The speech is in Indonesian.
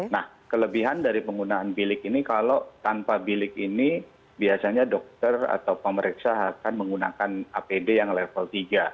nah kelebihan dari penggunaan bilik ini kalau tanpa bilik ini biasanya dokter atau pemeriksa akan menggunakan apd yang level tiga